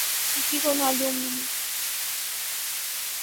کسی کو معلوم نہیں۔